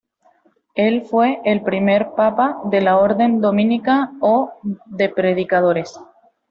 Él fue el primer Papa de la Orden Dominica o de Predicadores.